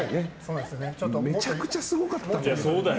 めちゃくちゃすごかったんだから。